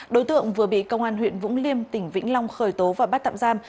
đối tượng vừa bị công an huyện vũng liêm tỉnh vĩnh long khởi tố và bắt tạm giam